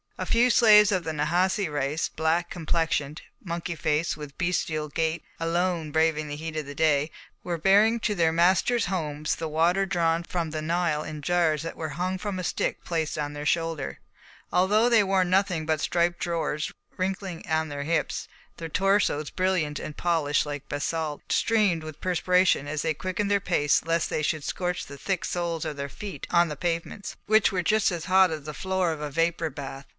A few slaves of the Nahasi race, black complexioned, monkey faced, with bestial gait, alone braving the heat of the day, were bearing to their masters' homes the water drawn from the Nile in jars that were hung from a stick placed on their shoulder. Although they wore nothing but striped drawers wrinkling on their hips, their torsos, brilliant and polished like basalt, streamed with perspiration as they quickened their pace lest they should scorch the thick soles of their feet on the pavements, which were as hot as the floor of a vapour bath.